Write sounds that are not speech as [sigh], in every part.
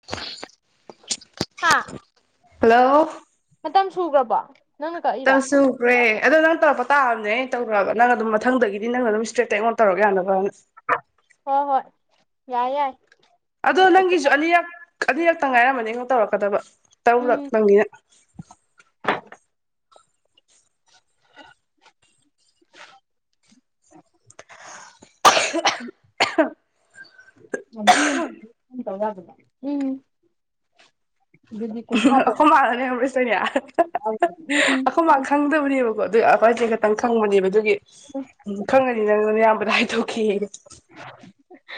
[inaudible] ꯍꯥꯥ ꯍꯜꯂꯣ ꯃꯇꯝ ꯁꯨꯒꯔꯕꯣ ꯇꯪꯁꯨ ꯔꯦ ꯑꯗꯣ ꯅꯪ ꯇꯧꯔꯛꯄ ꯇꯥꯕꯅꯦ ꯑꯩꯅ ꯇꯧꯒ꯭ꯔꯕ ꯅꯪ ꯑꯗꯨꯝ ꯃꯊꯪꯗꯒꯤꯗꯤ ꯅꯪꯅ ꯑꯗꯨꯝ ꯏꯁꯇ꯭ꯔꯦꯠꯇ ꯑꯩꯉꯣꯟꯗ ꯇꯧꯔꯛ ꯌꯥꯅꯕ ꯍꯣ ꯍꯣꯏ ꯌꯥꯏ ꯌꯥꯏ ꯑꯗꯣ ꯀꯩꯁꯨ ꯅꯪꯒꯤꯁꯨ ꯑꯅꯤꯔꯛ ꯑꯅꯤꯔꯛꯇꯪ ꯉꯥꯏꯔꯝꯕꯅꯤ ꯑꯩꯉꯣꯟ ꯇꯧꯔꯛꯀꯗꯕ ꯇꯔꯨꯔꯛ ꯎꯝ ꯇꯪꯒꯤꯅ [inaudible] [unintelligible] ꯎꯝ ꯑꯗꯨꯗꯤ ꯀꯨꯟꯊ꯭ꯔꯥ ꯑꯩꯈꯣꯏ ꯃꯥꯅꯅꯦ ꯈꯪꯕ꯭ꯔ ꯁꯤꯗꯅꯦ ꯎꯝ ꯑꯩꯈꯣꯏ ꯃꯥ ꯈꯪꯗꯕꯅꯦꯕꯀꯣ ꯑꯗꯨꯏ ꯑꯈꯣꯏ ꯆꯦ ꯈꯛꯇꯪ ꯈꯪꯕꯅꯦꯕ ꯑꯗꯨꯒꯤ ꯎꯝ ꯈꯪꯉꯅꯤ ꯅꯪ ꯅꯌꯥꯝꯕꯗꯥ ꯍꯥꯏꯊꯣꯛꯀꯦꯌꯦ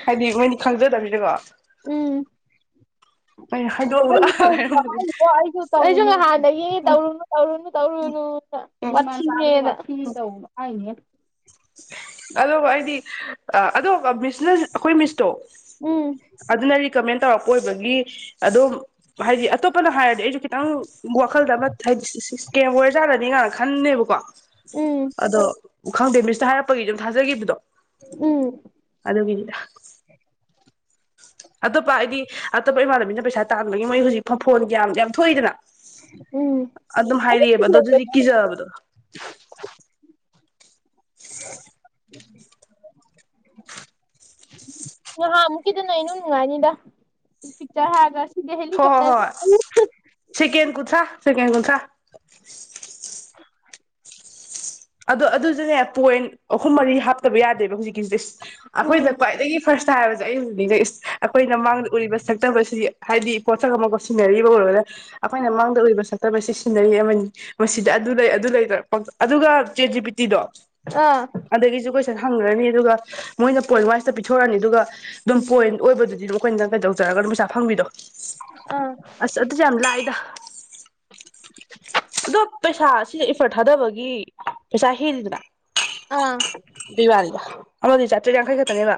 ꯍꯥꯏꯗꯤ ꯃꯣꯏꯗꯤ ꯈꯪꯖꯗꯕꯅꯤꯅꯀꯣ ꯎꯝ ꯑꯩ ꯍꯥꯏꯗꯣꯛꯎꯅꯥ ꯍꯥꯏꯔꯝꯕꯅꯦ ꯑꯣ ꯑꯩꯁꯨ ꯑꯩꯁꯨ ꯉꯍꯥꯟꯗꯒꯤ ꯇꯧꯔꯨꯅꯨ ꯇꯧꯔꯨꯅꯨ ꯇꯧꯔꯨꯅꯨꯅ ꯎꯝ ꯋꯥꯊꯤꯅꯦꯅ ꯑꯗꯣꯀꯣ ꯑꯩꯗꯤ ꯑ ꯑꯗꯣ ꯃꯤꯁꯅ ꯑꯩꯈꯣꯏ ꯃꯤꯁꯇꯣ ꯎꯝ ꯑꯗꯨꯅ ꯔꯤꯀꯃꯦꯟ ꯇꯧꯔꯛꯄ ꯑꯣꯏꯕꯒꯤ ꯑꯗꯨꯝ ꯍꯥꯏꯗꯤ ꯑꯇꯣꯞꯄꯅ ꯍꯥꯏꯔꯗꯤ ꯑꯩꯁꯨ ꯈꯤꯇꯪ ꯋꯥꯈꯜꯗ ꯑꯃ ꯍꯥꯏꯗꯤ ꯏꯁ ꯏꯁ ꯏꯁꯀꯦꯝ ꯑꯣꯏꯔꯖꯥꯠꯂꯅꯦ ꯀꯥꯏꯅ ꯈꯟꯅꯦꯕꯀꯣ ꯎꯝ ꯑꯗꯣ ꯈꯪꯗꯦ ꯃꯤꯁꯇ ꯍꯥꯏꯔꯛꯄꯒꯤ ꯑꯗꯨꯝ ꯊꯥꯖꯈꯤꯕꯗꯣ ꯎꯝ ꯑꯗꯨꯒꯤꯅꯤꯗ ꯑꯇꯣꯞꯄ ꯍꯥꯏꯗꯤ ꯑꯇꯣꯞꯄ ꯏꯃꯥꯟꯅꯕꯤꯅ ꯄꯩꯁꯥ ꯇꯥꯟꯕꯒꯤ ꯃꯣꯏ ꯍꯧꯖꯤꯛ ꯐ ꯐꯣꯟꯒꯤꯌꯥꯝ ꯌꯥꯝ ꯊꯣꯛꯏꯗꯅ ꯎꯝ ꯑꯗꯨꯝ ꯍꯥꯏꯔꯦꯛꯑꯦꯕ ꯑꯗꯨ ꯑꯗꯨꯗꯤ ꯀꯤꯖꯕꯗꯣ [inaudible] ꯉꯍꯥꯟꯃꯨꯛꯀꯤꯗꯨꯅ ꯏꯅꯨꯡ ꯅꯨꯡꯉꯥꯏꯅꯤꯗ ꯄꯤꯛꯆꯔ ꯍꯥꯏꯔꯒ ꯁꯤꯗꯤ ꯍꯣꯏ ꯍꯣꯏ ꯍꯣꯏ ꯍꯦꯂꯤꯀꯣꯞꯇꯔ ꯁꯦꯀꯦꯟ ꯀꯨꯟꯊ꯭ꯔꯥ ꯁꯦꯀꯦꯟ ꯀꯨꯟꯊ꯭ꯔꯥ ꯑꯗꯣ ꯑꯗꯨꯁꯨꯅꯦ ꯄꯣꯏꯟ ꯑꯍꯨꯝ ꯃꯔꯤ ꯍꯥꯞꯇꯕ ꯌꯥꯗꯦꯕ ꯍꯧꯖꯤꯛꯀꯤꯁꯗꯤꯁ ꯎꯝ ꯑꯩꯈꯣꯏꯅ ꯈ꯭ꯋꯥꯏꯗꯒꯤ ꯐꯥꯔꯁꯇ ꯍꯥꯏꯕꯁꯦ ꯑꯩ ꯍꯧꯖꯤꯛ ꯅꯤꯡꯖꯤꯡꯉꯤ ꯏꯁ ꯑꯩꯈꯣꯏꯅ ꯃꯥꯡꯗ ꯎꯔꯤꯕ ꯁꯛꯇꯝ ꯑꯁꯤ ꯍꯥꯏꯗꯤ ꯄꯣꯠꯁꯛ ꯑꯃꯒ ꯁꯤꯟꯅꯔꯤꯕꯨ ꯑꯣꯏꯔꯣꯔꯥ ꯑꯈꯣꯏꯅ ꯃꯥꯡꯗ ꯑꯣꯏꯔꯤꯕ ꯁꯛꯇꯝ ꯁꯤ ꯁꯤꯟꯅꯔꯤ ꯑꯃꯅꯤ ꯃꯁꯤꯗ ꯑꯗꯨ ꯂꯩ ꯑꯗꯨ ꯂꯩ ꯇꯧꯔ ꯄꯪꯇꯧ ꯑꯗꯨꯒ ꯆꯦꯠ ꯖꯤ ꯄꯤ ꯇꯤꯗꯣ ꯑꯥ ꯑꯗꯒꯤꯁꯨ ꯀꯣꯏ ꯁꯟ ꯍꯪꯒ꯭ꯔꯅꯤ ꯑꯗꯨꯒ ꯃꯣꯏꯅ ꯄꯣꯏꯟ ꯋꯥꯏꯁꯇ ꯄꯤꯊꯣꯔꯛꯅꯤ ꯑꯗꯨꯒ ꯑꯗꯨꯝ ꯄꯣꯏꯟ ꯑꯣꯏꯕꯗꯨꯗꯤ ꯗꯨꯝ ꯑꯩꯈꯣꯏꯅ ꯀꯩꯗꯧꯖꯔꯒ ꯑꯗꯨꯝ ꯄꯩꯁꯥ ꯐꯪꯕꯤꯗꯣ ꯑꯥ ꯑꯁ ꯑꯗꯨꯁꯨ ꯌꯥꯝ ꯂꯥꯏꯗ ꯑꯗꯣ ꯄꯩꯁꯥ ꯁꯤꯁꯦ ꯏꯐꯔꯠ ꯊꯥꯗꯕꯒꯤ ꯄꯩꯁꯥ ꯍꯦꯜꯂꯤꯗꯅ ꯑꯥ ꯑꯗꯨꯏ ꯋꯥꯅꯤꯗ ꯑꯃꯗꯨꯗꯤ ꯆꯥꯇ꯭ꯔꯦꯠ ꯌꯥꯡꯈꯩ ꯈꯇꯅꯦꯕ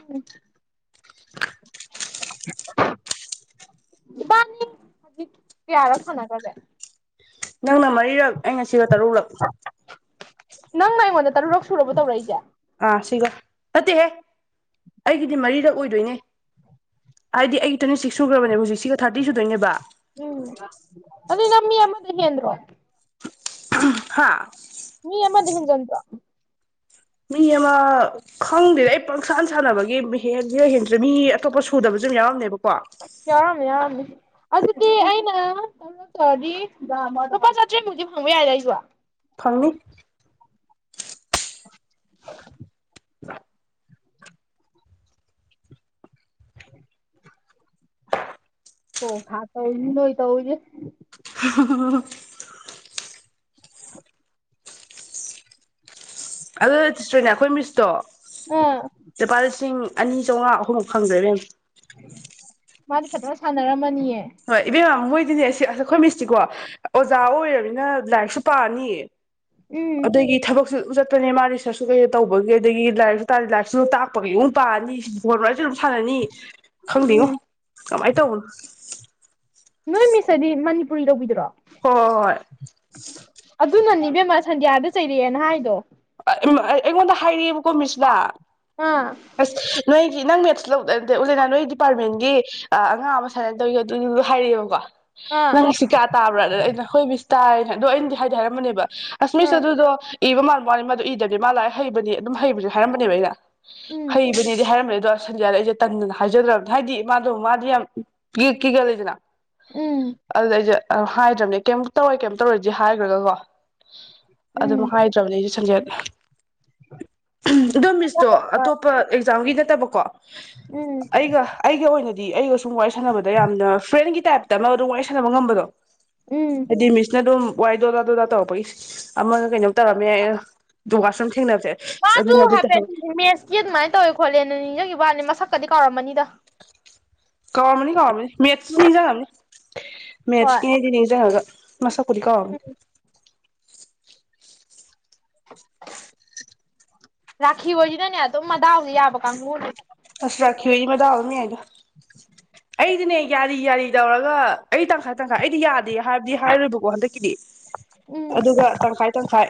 ꯍꯝ [inaudible] [inaudible] ꯏꯕꯥꯅꯤꯛ ꯍꯨꯖꯤꯛ ꯀꯌꯥꯔꯛ ꯁꯥꯟꯅꯒꯔꯒꯦ ꯅꯪꯅ ꯃꯔꯤꯔꯛ ꯑꯩꯅꯥ ꯁꯤꯒ ꯇꯔꯨꯛꯂꯛ ꯅꯪꯅ ꯑꯩꯉꯣꯟꯗ ꯇꯔꯨꯨꯔꯛ ꯁꯨꯔꯕ ꯇꯧꯔꯛꯏꯖꯦ ꯑꯥ ꯁꯤꯒ ꯅꯠꯇꯦꯍꯦ ꯑꯩꯒꯤꯗꯤ ꯃꯔꯤꯔꯛ ꯑꯣꯏꯗꯣꯏꯅꯦ ꯍꯥꯏꯗꯤ ꯑꯩꯒꯤ ꯇ꯭ꯋꯦꯟꯇꯤ ꯁꯤꯛꯁ ꯁꯨꯈ꯭ꯔꯕꯅꯦꯕ ꯍꯧꯖꯤꯛꯁꯤꯒ ꯊꯥꯔꯇꯤ ꯁꯨꯗꯣꯏꯅꯦꯕ ꯎꯝ ꯑꯗꯨ ꯅꯪ ꯃꯤ ꯑꯃꯗ ꯍꯦꯟꯗ꯭ꯔꯣ ꯍꯥꯥ ꯃꯤ ꯑꯃꯗ ꯍꯦꯟꯖꯟꯗ꯭ꯔꯣ ꯃꯤ ꯑꯃ ꯈꯪꯗꯦꯗ ꯑꯩ ꯄꯪꯁꯥꯟ ꯁꯥꯟꯅꯕꯒꯤ ꯍꯦꯟꯂꯤꯔꯥ ꯍꯦꯟꯗ꯭ꯔꯤꯔ ꯃꯤ ꯑꯇꯣꯞꯄ ꯁꯨꯗꯕꯁꯨ ꯑꯗꯨꯨꯝ ꯌꯥꯎꯔꯝꯅꯦꯕꯀꯣ ꯌꯥꯎꯔꯝꯅꯤ ꯌꯥꯎꯔꯝꯅꯤ ꯑꯗꯨꯗꯤ ꯑꯩꯅ ꯇꯧꯔꯗꯤ ꯂꯨꯄꯥ ꯆꯥꯠꯇ꯭ꯔꯦꯕꯨꯗꯤ ꯐꯪꯕ ꯌꯥꯏꯗ ꯑꯩꯁꯨ ꯐꯪꯅꯤ [inaudible] ꯊꯣꯛ ꯊꯥꯛ ꯇꯧꯔꯤꯅꯤ ꯅꯣꯢ ꯇꯧꯔꯤꯖꯦ [unintelligible] ꯑꯗꯨ ꯆꯤꯁꯇ꯭ꯔꯦꯅ ꯑꯩꯈꯣꯏ ꯃꯤꯁꯇꯣ ꯑꯥ ꯂꯨꯄꯥ ꯂꯤꯁꯤꯡ ꯑꯅꯤ ꯆꯧꯉꯥ ꯑꯍꯨꯝꯃꯨꯛ ꯐꯪꯒ꯭ꯔꯦ ꯏꯕꯦꯝꯃ ꯃꯥꯗꯤ ꯐꯖꯅ ꯁꯥꯟꯅꯔꯝꯃꯅꯤꯑꯦ ꯍꯣꯏ ꯏꯕꯦꯝꯃ ꯃꯣꯏꯗꯤꯅꯦ ꯑꯁ ꯑꯩꯈꯣꯏ ꯃꯤꯁꯇꯤꯀꯣ ꯑꯣꯖꯥ ꯑꯣꯏꯔꯝꯅꯤꯅ ꯂꯥꯏꯔꯤꯛꯁꯨ ꯄꯥꯅꯤ ꯎꯝ ꯑꯗꯨꯒꯤ ꯊꯕꯛ ꯆꯠꯄꯅꯦ ꯃꯥ ꯔꯤꯁꯔꯁꯁꯨ ꯀꯩ ꯇꯧꯕꯒꯤ ꯑꯗꯒꯤ ꯂꯥꯏꯔꯤꯛꯁꯨ ꯇꯥꯔꯦ ꯂꯥꯏꯔꯤꯛꯁꯨ ꯇꯥꯛꯄꯒꯤ ꯑꯃꯨꯛ ꯄꯥꯅꯤ ꯁꯤ ꯕꯣꯟꯋꯥꯢꯁꯨ ꯑꯗꯨꯝ ꯁꯥꯟꯅꯅꯤ ꯈꯪꯗꯦꯉꯣ ꯎꯝ ꯀꯃꯥꯏ ꯇꯧꯕꯅꯣ ꯅꯣꯏ ꯃꯤꯁ ꯍꯥꯏꯗꯤ ꯃꯅꯤꯄꯨꯔꯤ ꯂꯧꯕꯤꯗꯨꯔꯣ ꯍꯣꯏ ꯑꯗꯨꯅꯅꯦ ꯏꯕꯦꯝꯃ ꯁꯟꯗꯤꯌꯥꯗ ꯆꯩꯔꯛꯑꯦꯅ ꯍꯥꯏꯗꯣ ꯑꯩꯉꯣꯟꯗ ꯍꯥꯏꯔꯛꯑꯦꯕꯀꯣ ꯃꯤꯁꯅ ꯑꯥ ꯅꯣꯏꯒꯤ ꯅꯪ ꯃꯦꯠꯁ ꯎꯂꯦꯅꯥ ꯅꯣꯏꯒꯤ ꯗꯤꯄꯥꯔꯠꯃꯦꯟꯒꯤ ꯑ ꯑꯉꯥꯡ ꯑꯃ ꯁꯨꯃꯥꯏꯅ ꯇꯧꯝ [unintelligible] ꯑꯗꯨꯗꯨ ꯍꯥꯏꯔꯛꯑꯦꯕꯀꯣ ꯑꯥ ꯅꯪ ꯁꯤ ꯀꯥ ꯇꯥꯕ꯭ꯔꯥꯅ ꯑ ꯍꯣꯏ ꯇꯥꯏꯅ ꯑꯗꯣ ꯑꯩꯅꯗꯤ ꯍꯥꯏꯗꯤ ꯍꯥꯏꯔꯝꯝꯕꯅꯦꯕ ꯑꯁ ꯃꯤꯁ ꯑꯥ ꯑꯗꯨꯗꯣ ꯏꯕ ꯃꯥꯜꯕ ꯋꯥꯅꯤ ꯃꯗꯨ ꯏꯗꯗꯤ ꯃꯥ ꯂꯥꯛꯔꯤꯛ ꯍꯩꯕꯅꯤ ꯑꯗꯨꯝ ꯍꯩꯕꯁꯦ ꯍꯥꯏꯔꯝꯕꯅꯦꯕ ꯑꯩꯅ ꯎꯝ ꯍꯩꯕꯅꯦꯗꯤ ꯍꯥꯏꯔꯝꯕꯅꯦꯗꯣ ꯁꯟꯗ꯭ꯌꯥ ꯑꯩꯁꯦ ꯇꯟꯗꯅ ꯍꯥꯏꯖꯗ꯭ꯔꯅꯤ ꯍꯥꯏꯗꯤ ꯃꯥꯗꯣ ꯃꯥꯗꯤ ꯌꯥꯝ ꯀ ꯀꯤꯒꯜꯂꯤꯗꯅ ꯎꯝ ꯑꯗꯨꯗ ꯑꯩꯁꯦ ꯍꯥꯏꯗ꯭ꯔꯕꯅꯦ ꯀꯩꯝ ꯇꯧꯔꯣꯏ ꯀꯩꯝ ꯇꯧꯔꯣꯏꯗꯤ ꯍꯥꯏꯈ꯭ꯔꯒꯀꯣ ꯎꯝ ꯑꯗꯨꯝ ꯍꯥꯏ ꯆꯠꯇ꯭ꯔꯕꯅꯦ ꯑꯩꯁꯨ ꯁꯟꯖꯦꯠ ꯑꯗꯣ ꯃꯤꯁꯇꯣ ꯑꯇꯣꯞ ꯑꯦꯛꯖꯥꯝꯒꯤ ꯅꯠꯇꯕꯀꯣ ꯎꯝ ꯑꯩꯒ ꯑꯩꯒ ꯑꯣꯏꯅꯗꯤ ꯑꯩꯒ ꯁꯨꯝ ꯋꯥꯔꯤ ꯁꯥꯟꯅꯕꯗ ꯌꯥꯝꯅ ꯐ꯭ꯔꯦꯟꯒꯤ ꯇꯥꯏꯞꯇ ꯑꯃ ꯑꯗꯨꯝ ꯋꯥꯔꯤ ꯁꯥꯟꯅꯕ ꯉꯝꯕꯗꯣ ꯎꯝ ꯍꯥꯏꯗꯤ ꯃꯤꯁꯅ ꯑꯗꯨꯝ ꯋꯥꯏꯗꯣꯗꯥꯥꯗꯣꯗꯥ ꯇꯧꯔꯛꯄꯒꯤ ꯑꯃꯒ ꯀꯩꯅꯣꯝ ꯇꯧꯔꯝꯃꯦ ꯌꯥꯏ ꯗꯨꯒꯥꯁꯨꯝ ꯊꯦꯡꯅꯕꯁꯦ ꯑꯗꯨꯅ ꯑꯗꯨ ꯇꯧꯍꯧꯌꯦ ꯀ ꯑꯗꯨꯃꯥꯏꯅ ꯇꯧꯋꯦ ꯈꯣꯠꯂꯦꯅ ꯅꯤꯡꯖꯪꯒꯤꯕ ꯋꯥꯅꯦ ꯃꯁꯛꯀꯗꯤ ꯀꯥꯎꯔꯝꯃꯅꯤꯗ ꯀꯥꯎꯔꯝꯅꯤ ꯀꯥꯎꯔꯝꯅꯤ ꯃꯦꯠꯁ ꯅꯤꯡꯖꯪꯒꯝꯅꯤ ꯍꯣꯏ ꯃꯦꯠꯁꯀꯤ ꯅꯤꯡꯖꯪꯉꯒ ꯃꯁꯛ ꯄꯨꯗꯤ ꯀꯥꯎꯔꯝꯅꯤ ꯔꯥꯈꯤꯍꯣꯢꯏꯁꯤꯅꯅꯦ ꯑꯗꯨꯝ ꯃꯗꯥꯎꯁꯦ ꯌꯥꯕ ꯀꯥꯡꯕꯨꯅꯦ ꯑꯁ ꯔꯥꯈꯤꯑꯣꯏꯗꯤ ꯃꯗꯥꯥꯎ ꯑꯗꯨꯝ ꯌꯥꯏꯗ [inaudible] ꯑꯩꯗꯤꯅꯦ ꯌꯥꯔꯤ ꯌꯥꯔꯤ ꯇꯧꯔꯒ ꯑꯩ ꯇꯪꯈꯥꯏ ꯇꯪꯈꯥꯏ ꯑꯩꯗꯤ ꯌꯥꯗꯦ ꯍꯥꯏꯕꯗꯤ ꯍꯥꯏꯔꯣꯏꯕꯀꯣ ꯍꯟꯗꯛꯀꯤꯗꯤ ꯎꯝ ꯑꯗꯨꯒ ꯇꯪꯈꯥꯏ ꯇꯪꯈꯥꯏ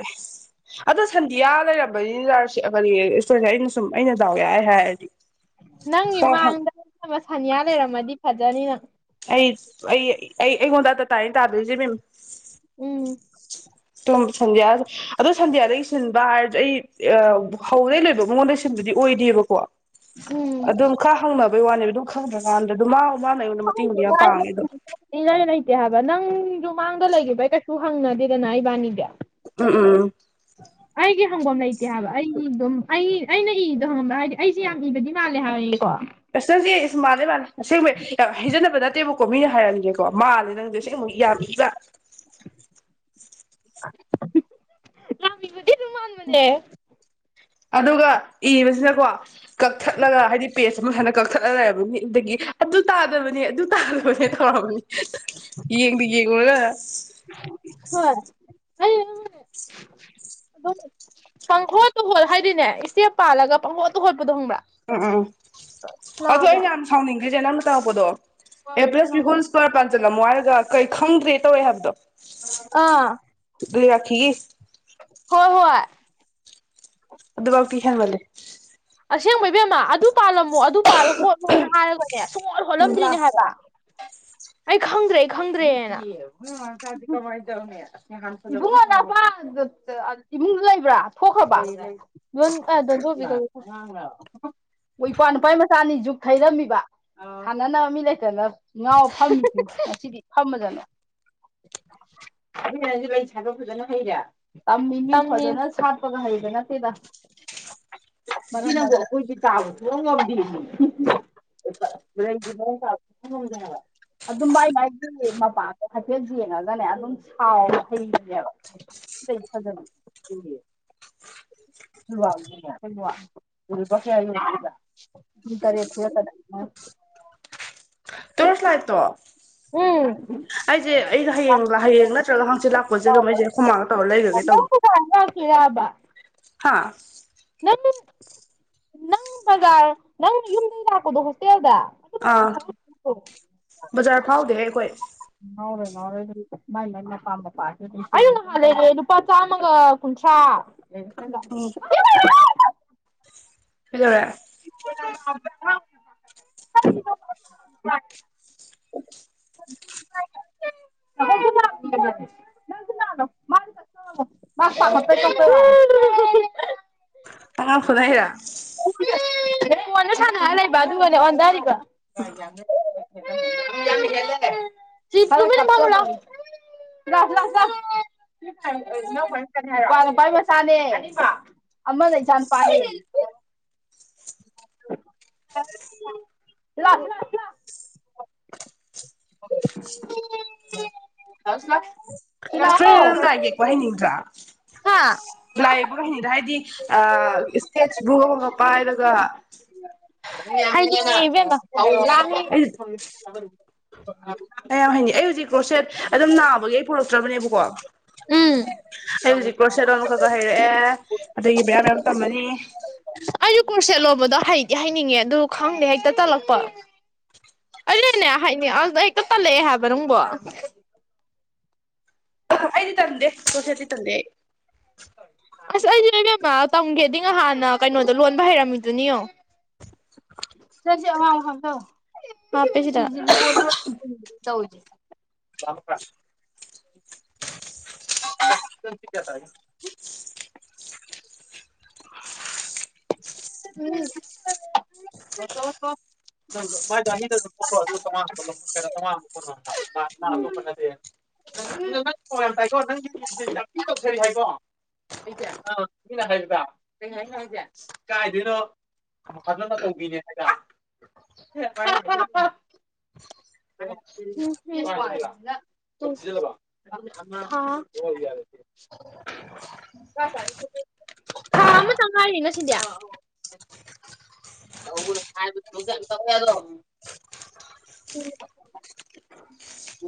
ꯑꯗꯣ ꯁꯟꯗꯤꯌꯥ ꯂꯩꯔꯝꯕꯅꯤ ꯇꯁꯇꯔꯅꯦ ꯑꯩꯅ ꯁꯨꯝ ꯑꯩꯅ ꯗꯥꯎ ꯌꯥꯢ ꯍꯥꯏꯔꯗꯤ ꯅꯪꯒꯤ ꯃꯥꯡꯗ ꯅ ꯁꯅꯤꯌꯥ ꯂꯩꯔꯝꯃꯗꯤ ꯐꯖꯅꯤ ꯅꯪ ꯑꯩ ꯑꯩ ꯑꯩ ꯑꯩꯉꯣꯟꯗ ꯑꯇꯥ ꯇꯥꯏ ꯇꯥꯗꯣꯏꯁꯤ ꯏꯕꯦꯝ ꯎꯝ ꯇꯝ ꯁꯖꯌꯥ ꯑꯗꯣ ꯁꯟꯗ꯭ꯌꯥꯗꯒꯤ ꯁꯤꯟꯕ ꯍꯥꯏꯔꯁꯨ ꯑꯩ ꯍꯩ ꯍꯧꯕꯗꯩ ꯂꯣꯏꯕ ꯃꯉꯣꯟꯗ ꯁꯤꯟꯕꯗꯤ ꯑꯣꯏꯗꯦꯕꯀꯣ ꯎꯝ ꯑꯗꯨꯝ ꯈꯔ ꯍꯪꯅꯕꯩ ꯋꯥꯅꯦꯕ ꯑꯗꯨꯝ ꯈꯪꯗ꯭ꯔꯀꯥꯟꯗ ꯑꯗꯨꯝ ꯃꯥ ꯃꯥꯅ ꯑꯩꯉꯣꯟꯗ ꯃꯇꯦꯡꯗꯣ ꯌꯥꯝ ꯄꯥꯡꯉꯦꯗꯣ ꯏ ꯂꯩ ꯂꯩꯇꯦ ꯍꯥꯏꯕ ꯅꯪꯁꯨ ꯃꯥꯡꯗ ꯂꯩꯈꯤꯕꯩ ꯀꯩꯁꯨ ꯍꯪꯅꯗꯦꯗꯅ ꯏꯕꯥꯅꯤꯗꯤ ꯎꯝ [unintelligible] ꯑꯩꯒꯤ ꯍꯪꯐꯝ ꯂꯩꯇꯦ ꯍꯥꯏꯕ ꯑꯩ ꯑꯗꯨꯝ ꯑꯩ ꯑꯩꯅ ꯏꯗꯣ ꯍꯪꯕ ꯍꯥꯏꯗꯤ ꯑꯩꯁꯦ ꯌꯥꯝ ꯏꯕꯗꯤ ꯃꯥꯜꯂꯦ ꯍꯥꯏꯌꯦꯀꯣ ꯑꯁ ꯅꯪꯁꯦ ꯏꯁ ꯃꯥꯜꯅꯦ ꯃꯥꯅꯦ ꯑꯁꯦꯡꯕ ꯌꯥꯝ ꯍꯖꯅꯕ ꯅꯠꯇꯦꯕꯀꯣ ꯃꯤꯅ ꯍꯥꯏꯔꯟꯒꯦꯀꯣ ꯃꯥꯜꯂꯦ ꯅꯪꯗꯤ ꯑꯁꯦꯡꯕ ꯌꯥꯝꯃꯤ [unintelligible] [unintelligible] ꯌꯥꯝꯅꯢꯕꯗꯤ ꯑꯗꯨꯝ ꯃꯥꯟꯕꯅꯦ ꯑꯗꯨꯒ ꯏꯕꯁꯤꯅꯀꯣ ꯀꯛꯊꯠꯂꯒ ꯍꯥꯏꯗꯤ ꯄꯦꯁ ꯑꯃꯛ ꯍꯟꯅ ꯀꯛꯊꯠꯂ ꯂꯩꯔꯕꯅꯤ ꯑꯗꯒꯤ ꯑꯗꯨ ꯇꯥꯗꯕꯅꯤ ꯑꯗꯨ ꯇꯥꯗꯕꯅꯦ ꯇꯧꯔꯛꯑꯝꯕꯅꯤ ꯌꯦꯗꯤ ꯌꯦꯂꯒ ꯍꯣꯏ ꯑꯗꯨꯅꯦ ꯀꯪꯍꯣꯠꯇꯍꯣꯠ ꯍꯥꯏꯗꯤꯅꯦ ꯏꯁꯇꯦꯞ ꯄꯥꯜꯂꯒ ꯄꯪꯍꯣꯠꯇ ꯍꯣꯠꯄꯗꯣ ꯈꯪꯕ꯭ꯔꯥ ꯎꯝ ꯎꯝ ꯎꯝ ꯑꯗꯣ ꯂꯥꯛꯑꯕꯣ ꯑꯩꯅ ꯌꯥꯝ ꯁꯥꯎꯅꯤꯡꯈ꯭ꯔꯤꯁꯦ ꯅꯪꯅ ꯇꯝꯃꯛꯄꯗꯣ ꯑꯦ ꯄ꯭ꯂꯁ ꯀꯅꯥ ꯕꯤ ꯍꯣꯜꯁ ꯀ꯭ꯋꯥꯔ ꯄꯥꯟꯖꯜꯂꯝꯃꯣ ꯍꯥꯏꯔꯒ ꯀꯩ ꯈꯪꯗ꯭ꯔꯦ ꯇꯧꯋꯦ ꯍꯥꯏꯕꯗꯣ ꯑꯥ ꯗꯨꯏꯔꯥꯈꯤꯒꯤ ꯍꯣꯏ ꯍꯣꯏ ꯑꯗꯨꯕꯥꯎꯇꯤ ꯍꯦꯟꯃꯜꯂꯤ ꯑꯁꯦꯡꯕ ꯏꯕꯦꯝꯃ ꯑꯗꯨ ꯄꯥꯜꯂꯝꯃꯣ ꯑꯗꯨ ꯄꯥꯜꯂ ꯍꯣꯠꯂꯣꯅ ꯍꯥꯏꯔꯒꯅꯦ ꯁꯨꯡꯍꯣꯠ ꯎꯝ ꯍꯣꯠꯂꯝꯗ꯭ꯔꯤꯅꯦ ꯍꯥꯏꯕ ꯑꯩ ꯈꯪꯗ꯭ꯔꯦ ꯑꯩ ꯈꯪꯗ꯭ꯔꯦꯅ ꯃꯣꯏ ꯃꯃꯥꯝꯆꯥꯖꯦ ꯀꯃꯥꯏ ꯇꯧꯅꯤ ꯏꯕꯨꯡꯉꯣ ꯅꯄꯥ ꯗ ꯑꯥ ꯏꯃꯨꯡꯗ ꯂꯩꯕ꯭ꯔꯥ ꯊꯣꯛꯈ꯭ꯔꯕ [unintelligible] ꯋꯣ ꯏꯄꯥ ꯅꯨꯄꯥꯏ ꯃꯆꯥꯅꯤ ꯖꯨꯛ ꯊꯩꯔꯝꯃꯤꯕ ꯑꯥꯎ ꯁꯥꯟꯅꯅꯕ ꯃꯤ ꯂꯩꯇꯅ ꯉꯥꯎ ꯐꯝꯃꯤꯁꯤꯅꯤ ꯉꯁꯤꯗꯤ ꯐꯝꯃꯖꯅꯨ [unintelligible] ꯏꯕꯦꯝꯃ ꯅꯪꯗꯤ ꯂꯩ ꯁꯥꯕ ꯐꯖꯅ ꯍꯩꯔꯦ ꯇꯝꯃꯤꯅꯤ ꯇꯝꯃꯤ ꯐꯖꯅ ꯁꯥꯠꯄꯒ ꯍꯩꯕ ꯅꯠꯇꯦꯗ ꯏꯆꯦ ꯅꯪꯕꯨ ꯑꯩꯈꯣꯏꯗꯤ ꯇꯥꯕ ꯁꯨꯡꯉꯝ ꯉꯝꯗꯦꯃꯤ [unintelligible] ꯂꯩꯖꯦ ꯃꯑꯣꯡ ꯇꯥꯕ ꯁꯨꯡꯉꯡ ꯉꯝꯗꯦ ꯍꯥꯏꯕ ꯑꯗꯨꯝ ꯃꯥꯏ ꯃꯥꯏꯒꯤ ꯃꯄꯥꯗꯣ ꯍꯥꯏꯐꯦꯠ ꯖꯦꯡꯉꯒꯅꯦ ꯑꯗꯨꯝ ꯁꯥꯔꯒ ꯍꯩꯕꯅꯦꯕ ꯁꯤ ꯂꯩꯖꯤ ꯐꯖꯕꯅꯤ [unintelligible] [unintelligible] ꯁꯤꯗ ꯂꯨꯄꯥ ꯀꯌꯥ ꯌꯣꯟꯗꯣꯏꯕ [unintelligible] ꯥꯐ꯭ꯂꯥꯏꯠꯇꯣ ꯎꯝ ꯑꯩꯁꯦ ꯑꯩ ꯍꯌꯦꯡ ꯍꯌꯦꯡ ꯅꯠꯇ꯭ꯔꯒ ꯍꯥꯡꯆꯤꯠ ꯂꯥꯛꯄꯁꯦ ꯑꯗꯨꯝ ꯑꯩꯁꯦ ꯑꯈꯣꯃꯥꯒ ꯇꯧꯔ ꯂꯩꯒꯒꯦ ꯇꯧꯅꯤ [unintelligible] ꯇꯣꯏꯔꯥꯕꯥ ꯍꯥꯥ ꯅꯪ ꯅꯪ ꯕꯖꯥꯔ ꯅꯪ ꯌꯨꯝꯗꯩ ꯂꯥꯛꯄꯗꯣ ꯍꯣꯁꯇꯦꯜꯗ ꯑꯥ ꯕꯖꯥꯔ ꯐꯥꯎꯗꯦꯍꯦ ꯑꯩꯈꯣꯏ ꯎꯝ ꯉꯥꯎꯔꯣꯏ ꯉꯥꯎꯔꯣꯏ ꯃꯥꯏ ꯃꯥꯏ ꯃꯄꯥ ꯃꯄꯥꯖꯦ ꯑꯗꯨꯝ ꯑꯩ ꯉꯍꯥꯟ ꯂꯩꯔꯛꯑꯦ ꯂꯨꯄꯥ ꯆꯥꯝꯃꯒ ꯀꯨꯟꯊ꯭ꯔꯥ [unintelligible] ꯎꯝ ꯀꯩꯗꯧꯔꯦ [unintelligible] [unintelligible] ꯃꯥ ꯄꯥꯈꯠꯄꯩ ꯀꯞꯄ [unintelligible] ꯑꯉꯥꯡ ꯐꯨꯅꯩꯔꯥ ꯐꯣꯟꯗ ꯁꯥꯟꯅꯔ ꯂꯩꯕ ꯑꯗꯨꯒꯅꯦ ꯑꯣꯟꯗꯥꯔꯤꯕ [unintelligible] ꯁꯤ ꯇꯨꯃꯤꯟꯅ ꯐꯝꯃꯨ ꯂꯥꯎ ꯁꯤꯂꯥꯎ ꯁꯤꯂꯥꯎ ꯁꯤꯂꯥꯎ [unintelligible] ꯑ ꯏꯅꯥꯎꯄꯥꯏ ꯃꯆꯥꯅꯦ ꯍꯥꯏꯔꯣ ꯏꯄ꯭ꯋꯥ ꯅꯨꯄꯥꯏ ꯃꯆꯥꯅꯦ ꯑꯅꯤꯃꯛ ꯑꯃꯅ ꯏꯆꯥ ꯅꯨꯄꯥꯅꯦ ꯁꯤꯂꯥꯎ ꯁꯤꯂꯥꯎ ꯂꯥꯛꯑꯣ ꯁꯤꯂꯥꯎ ꯁꯤ ꯂꯥꯛꯑꯣ [unintelligible] ꯋꯥꯏꯍꯟꯅꯤꯡꯗ꯭ꯔꯥ ꯍꯥ ꯂꯥꯏ ꯌꯦꯛꯄꯒ ꯍꯩꯅꯤꯡꯗ꯭ꯔꯥ ꯍꯥꯏꯗꯤ ꯑ ꯏꯁꯀꯦꯁ ꯕ꯭ꯂꯨ ꯑꯃꯒ ꯄꯥꯏꯔꯒ ꯍꯩꯅꯤꯡꯉꯦ ꯏꯕꯦꯝꯃ [unintelligible] ꯑꯩ ꯌꯥꯝ ꯍꯩꯅꯤꯡꯉꯤ ꯑꯩ ꯍꯧꯖꯤꯛ ꯀ꯭ꯔꯣꯁꯦꯠ ꯑꯗꯨꯝ ꯅꯥꯕꯒꯤ ꯑꯩ ꯄꯨꯔꯛꯇ꯭ꯔꯕꯅꯦꯕꯀꯣ ꯎꯝ ꯑꯩ ꯍꯧꯖꯤꯛ ꯀ꯭ꯔꯣꯔꯁꯦꯠ ꯑꯃ ꯈꯥ ꯈꯥ ꯍꯩꯔꯛꯑꯦ ꯑꯗꯒꯤ ꯕ꯭ꯔꯦꯌꯥꯔ ꯃꯌꯥꯝ ꯇꯝꯃꯅꯤ ꯑꯩꯖꯨ ꯀꯣꯔꯁꯦꯠ ꯂꯣꯟꯕꯗꯣ ꯍꯩꯗꯤ ꯍꯩꯅꯤꯡꯉꯤ ꯑꯗꯨ ꯈꯪꯗꯦ ꯍꯦꯛꯇ ꯇꯠꯂꯛꯄ ꯑꯩꯅꯅꯦ ꯍꯩꯅꯤꯡ ꯑꯗꯨꯗꯣ ꯍꯦꯛꯇ ꯇꯜꯂꯛꯑꯦ ꯍꯥꯏꯕ ꯅꯪꯕꯣ ꯑꯩꯗꯤ ꯇꯟꯗꯦ ꯀꯊꯦꯗꯤ ꯇꯗꯦ [inaudible] ꯑꯁ ꯑꯩꯗꯤ ꯅꯣꯏꯕꯦꯝꯃ ꯇꯝꯒꯦꯗꯤ ꯉ ꯍꯥꯟꯅ ꯀꯩꯅꯣꯗ ꯂꯣꯟꯕ ꯍꯩꯔꯝꯃꯤꯗꯨꯅꯤꯌꯣ ꯁꯤ [unintelligible] [inaudible] ꯗꯝꯗ꯭ꯔ [unintelligible] ꯁꯤ ꯀꯌꯥ ꯇꯦ [unintelligible] ꯎꯝ [unintelligible] ꯃꯥ ꯄꯤ ꯆꯧꯉꯥ [unintelligible] ꯅꯪ ꯐꯣꯟ ꯌꯥꯝ ꯄꯥꯏꯀꯣ [unintelligible] ꯍꯥꯏꯀꯣ꯫ ꯃꯤꯅ ꯍꯥꯏꯗ ꯀꯩ ꯍꯥꯏꯅꯣ ꯍꯥꯏꯁꯦ꯫ ꯀꯥꯏꯗꯩꯅꯣ ꯐꯖꯅ ꯇꯧꯕꯤꯅꯦ ꯍꯥꯏꯗ꯫ [unintelligible] ꯫ [unintelligible] ꯍꯥ꯫ ꯊꯥ ꯑꯃꯇ ꯉꯥꯏꯔꯤꯅ ꯁꯤꯗꯤ꯫ [unintelligible] [inaudible]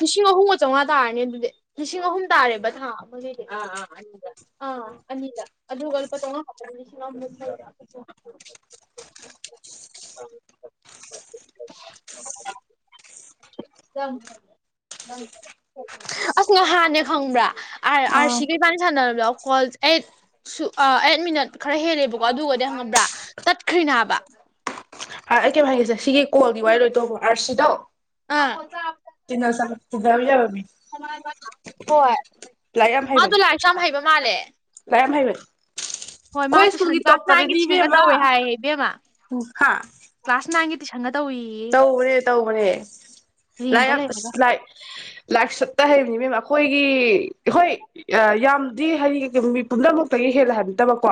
ꯂꯤꯁꯤꯡ ꯑꯍꯨꯝꯒ ꯆꯥꯝꯃꯉꯥ ꯇꯥꯔꯅꯤ ꯑꯗꯨꯗꯤ ꯂꯤꯁꯤꯡ ꯑꯍꯨꯝ ꯇꯥꯔꯦꯕ ꯊꯥ ꯑꯃꯒꯤꯗꯤ꯫ ꯑ ꯑꯅꯤ ꯑꯗꯨꯒꯜꯄ ꯂꯨꯄꯥ ꯆꯧꯉꯥ [inaudible] [inaudible] [inaudible] ꯑꯁ ꯉꯥꯍꯥꯟꯅꯦ ꯈꯪꯕ꯭ꯔꯥ ꯑꯥꯔ ꯑꯥꯔ ꯑꯥ ꯁꯤꯒꯤ ꯏꯕꯅꯤ ꯁꯥꯟꯅꯕꯗꯣ ꯀꯣꯜ ꯑꯩ ꯁꯨ ꯑ ꯑꯩꯠ ꯃꯤꯅꯠ ꯈꯔ ꯍꯦꯜꯂꯦꯕꯀꯣ ꯑꯗꯨꯒꯗꯤ ꯉꯕ꯭ꯔꯥ ꯇꯠꯈ꯭ꯔꯤꯅꯦ ꯍꯥꯏꯕ ꯑ ꯑꯩ ꯀꯩꯅꯣꯝ ꯍꯥꯏꯒꯦꯁꯦ ꯁꯤꯒꯤ ꯀꯣꯜꯒꯤ ꯋꯥꯔꯤ ꯂꯣꯏ ꯇꯣꯛꯈ꯭ꯔꯣ ꯑꯥꯔꯁꯤꯗꯣ ꯑ [unintelligible] ꯇꯤꯟꯅꯁꯜꯂꯣ ꯇꯤꯟꯅꯕ ꯌꯥꯕ ꯃꯤ ꯍꯣꯏ [unintelligible] ꯂꯥꯏꯛ ꯌꯥꯝ ꯍꯩꯕꯅꯦ [unintelligible] [inaudible] ꯆꯝ ꯍꯩꯕ ꯃꯥꯜꯂꯦ ꯂꯥꯏꯛ ꯌꯥꯝ ꯍꯩꯕꯅꯦ [unintelligible] ꯍꯣꯏ ꯃꯥ ꯇꯨꯏꯁꯟ ꯀ꯭ꯂꯥꯁ ꯅꯥꯏꯟꯒꯤ ꯇꯨꯏꯁꯟꯒ ꯇꯧꯋꯦ ꯍꯥꯏꯌꯦ ꯏꯕꯦꯝꯃ ꯀ꯭ꯂꯥꯁ ꯅꯥꯏꯟꯒꯤ ꯇꯨꯏꯁꯟꯒ ꯇꯧꯏ ꯇꯧꯒ꯭ꯔꯦ ꯇꯧꯒ꯭ꯔꯦ ꯂꯥꯏꯛ ꯔꯦꯟꯇ ꯌꯥꯝ ꯂꯩꯔꯒ ꯑꯁ ꯂꯥꯏꯛ [unintelligible] ꯂꯥꯏꯛ ꯁꯨꯠꯇ ꯍꯩꯕꯅꯤ ꯏꯕꯦꯝꯃ ꯑꯩꯈꯣꯏꯒꯤ ꯍꯣꯏ ꯌꯥꯝꯗꯤ ꯍꯌꯦꯡ ꯃꯤ ꯄꯨꯝꯅꯃꯛꯇꯒꯤ ꯍꯦꯜꯂꯦ ꯍꯥꯏꯕ ꯅꯠꯇꯕꯀꯣ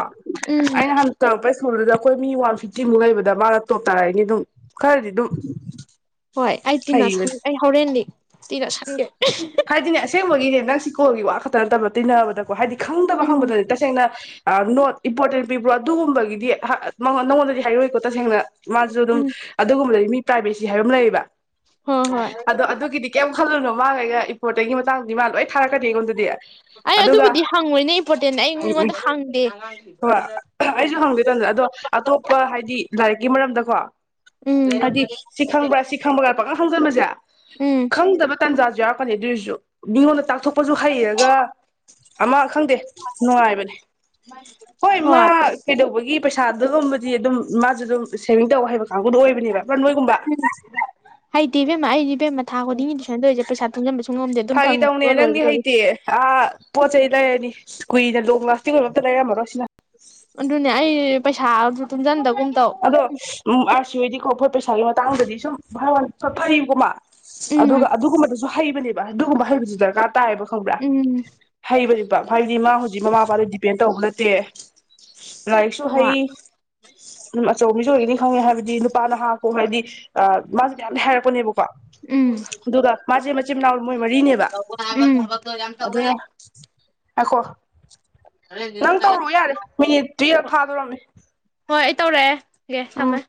ꯎꯝ ꯑꯩꯅ ꯍꯥꯟ ꯇꯧꯔꯛꯄ ꯁ꯭ꯀꯨꯜꯗꯨꯗ ꯑꯩꯈꯣꯏ ꯃꯤ ꯋꯥꯟ ꯐꯤꯐꯇꯤꯃꯨꯛ ꯂꯩꯕꯗ ꯃꯥꯅ ꯇꯣꯞ ꯇꯥꯔꯛꯏꯅꯤ ꯑꯗꯨꯝ ꯈꯔꯗꯤ ꯑꯗꯨꯝ ꯍꯣꯏ ꯑꯩ ꯍꯩꯕꯅꯦ ꯇꯤꯟꯅꯁꯟ ꯑꯩ ꯍꯣꯔꯦꯟꯗꯤ ꯇꯤꯟꯅ ꯁꯟꯒꯦ ꯍꯥꯏꯗꯤꯅꯦ ꯑꯁꯦꯡꯕꯒꯤꯅꯦ ꯅꯪ ꯁꯤ ꯀꯣꯜꯒꯤ ꯋꯥ ꯈꯛꯇ ꯅꯠꯇꯕ ꯇꯤꯟꯅꯕꯗꯀꯣ ꯍꯥꯏꯗꯤ ꯈꯪꯗꯕ ꯎꯝ ꯍꯪꯕꯗꯗꯤ ꯇꯁꯦꯡꯅ ꯅꯣꯠ ꯏꯝꯄꯣꯔꯇꯦꯟ ꯄꯤꯕ꯭ꯔꯣ ꯑꯗꯨꯒꯨꯝꯕꯒꯤꯗꯤ ꯅꯪꯉꯣꯟꯗꯗꯤ ꯍꯥꯏꯔꯛꯑꯣꯏꯀꯣ ꯇꯁꯦꯡꯅ ꯃꯥꯖꯨ ꯑꯗꯨꯝ ꯎꯝ ꯑꯗꯨꯒꯨꯝꯕꯗꯗꯤ ꯃꯤ ꯄ꯭ꯔꯥꯏꯚꯦꯁꯤ ꯍꯥꯏꯕ ꯑꯃ ꯂꯩꯌꯦꯕ ꯍꯣꯏ ꯍꯣꯏ ꯑꯗꯣ ꯑꯗꯨꯒꯤꯗꯤ ꯀꯩꯝ ꯈꯜꯂꯨꯅꯨ ꯃꯥꯥꯒ ꯑꯩꯒ ꯉꯩꯒ ꯏꯝꯄꯣꯔꯇꯦꯟꯒꯤ ꯃꯇꯥꯡꯗꯗꯤ ꯃꯥ ꯂꯣꯏ ꯊꯥꯔꯛꯀꯅꯤ ꯑꯩꯉꯣꯟꯗꯗꯤ ꯑꯩ ꯑꯗꯨꯒ ꯑꯗꯨꯕꯨꯗꯤ ꯍꯪꯉꯣꯏꯅꯦ ꯏꯝꯄꯣꯔꯇꯦꯟ ꯑꯩ ꯎꯝ ꯎꯝ ꯃꯤꯉꯣꯟꯗ ꯍꯪꯗꯦ ꯍꯣꯏ ꯑꯩꯁꯨ ꯍꯪꯗꯣꯏ ꯇꯣꯝꯗ ꯑꯗꯣ ꯑꯇꯣꯞꯄ ꯍꯥꯏꯗꯤ ꯂꯥꯏꯔꯤꯛꯀꯤ ꯃꯔꯝꯗꯀꯣ ꯎꯝ ꯍꯥꯏꯗꯤ ꯁꯤ ꯈꯪꯕ꯭ꯔꯥ ꯁꯤ ꯈꯪꯕ꯭ꯔꯥ ꯄꯛꯍꯪ ꯈꯪꯖꯤꯟꯕꯁꯦ ꯎꯝ ꯈꯪꯗꯕ ꯇꯟꯖꯥꯁꯨ ꯌꯥꯎ ꯇꯜꯂꯤ ꯑꯗꯨꯏꯁꯨ ꯃꯤꯉꯣꯟꯗ ꯇꯥꯛꯊꯣꯛꯄꯁꯨ ꯍꯩꯔꯒ ꯑꯃ ꯈꯪꯗꯦ ꯅꯨꯡꯉꯥꯏꯕꯅꯦ ꯍꯣꯏ ꯃꯥ ꯀꯩꯗꯧꯕꯒꯤ ꯄꯩꯁꯥ ꯑꯗꯨꯒꯨꯝꯕꯗꯤ ꯑꯗꯨꯝ ꯃꯥꯖꯨ ꯑꯗꯨꯝ ꯁꯦꯚꯤꯡ ꯇꯧ ꯍꯩꯕ ꯀꯥꯡꯕꯨꯗꯣ ꯑꯣꯏꯕꯅꯦꯕ ꯅꯣꯏꯒꯨꯝꯕ ꯍꯩꯇꯦꯏꯕꯦꯝꯃ ꯑꯩꯗꯤ ꯏꯕꯦꯝꯃ ꯊꯥ ꯈꯨꯗꯤꯡꯒꯤ ꯇꯨꯏꯁꯟꯇꯧꯔꯤꯖꯦ ꯄꯩꯁꯥ ꯇꯨꯡꯁꯤꯟꯕꯁꯨ ꯉꯝꯗꯦ ꯑꯗꯨꯝ ꯐꯒꯤ ꯇꯧꯅꯦ ꯐꯪꯉꯒ ꯂꯣꯏꯒ ꯅꯪꯗꯤ ꯂꯣꯏꯔꯦ ꯍꯩꯇꯦ ꯑꯥ ꯄꯣꯠ ꯆꯩꯩ ꯂꯩꯔꯅꯤ ꯀꯨꯏꯅ ꯂꯣꯡ ꯂꯥꯁꯇꯤꯡ ꯑꯣꯏꯕ ꯑꯝꯇ ꯂꯩꯔꯝꯃꯔꯣꯏ ꯁꯤꯅ ꯑꯗꯨꯅꯦ ꯑꯩ ꯄꯩꯁꯥꯖꯨ ꯇꯨꯡꯖꯟꯗꯕꯒꯨꯝ ꯇꯧ ꯑꯗꯣ ꯎꯝ ꯑꯥꯔ ꯁꯤꯍꯣꯏꯗꯤꯀꯣ ꯐꯣꯠ ꯄꯩꯁꯥꯒꯤ ꯃꯇꯥꯡꯗꯗꯤ ꯁꯨꯝ ꯚꯥꯏꯋꯥꯅꯤ ꯁꯣꯠ ꯐꯩꯀꯣꯃꯥ ꯑꯗꯨꯒ ꯎꯝ ꯑꯗꯨꯒꯨꯝꯕꯗꯨꯁꯨ ꯍꯩꯕꯅꯦꯕ ꯑꯗꯨꯒꯨꯝꯕ ꯍꯩꯕꯖꯨ ꯗꯔꯀꯥꯔ ꯇꯥꯏꯌꯦꯕ ꯎꯝ ꯍꯩꯕꯅꯤꯛꯄ ꯍꯥꯏꯗꯤ ꯃꯥ ꯍꯧꯖꯤꯛ ꯃꯃꯥ ꯃꯄꯥꯗꯩ ꯗꯤꯄꯦꯟ ꯇꯧꯕ ꯅꯠꯇꯦ ꯂꯥꯏꯔꯤꯛꯁꯨ ꯍꯩ ꯍꯣꯏ ꯎꯝ ꯑꯆꯧꯕ ꯃꯤꯁꯨ ꯑꯣꯏꯒꯤꯅꯤ ꯈꯪꯉꯦ ꯍꯥꯏꯕꯗꯤ ꯅꯨꯄꯥ ꯅꯍꯥ ꯀꯣ ꯍꯥꯏꯗꯤ ꯑꯥ ꯃꯥꯁꯦ ꯃꯌꯥꯝꯗꯤ ꯍꯥꯏꯔꯛꯄꯅꯦꯕꯀꯣ ꯎꯝ ꯑꯗꯨꯒ ꯃꯥꯖꯦ ꯃꯆꯤꯟ ꯃꯅꯥꯎ ꯃꯣꯏ ꯃꯔꯤꯅꯦꯕ ꯎꯝ ꯑꯗꯨꯅ ꯉꯥꯏꯈꯣ ꯅꯪ ꯇꯧꯔꯨ ꯌꯥꯔꯦ ꯃꯤꯅꯤꯠ ꯇꯨꯌꯦꯜꯞ ꯐꯥꯗꯣꯔꯝꯃꯦ ꯍꯣꯏ ꯑꯩ ꯇꯧꯔꯛꯑꯦ ꯒꯦ ꯎꯝ ꯊꯝꯃꯦ